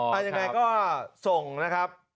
เอายังไงก็ส่งนะครับ